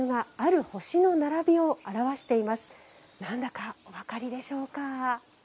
何だかお分かりでしょうか？